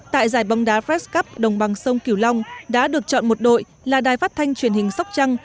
tại giải bóng đá fres cup đồng bằng sông cửu long đã được chọn một đội là đài phát thanh truyền hình sóc trăng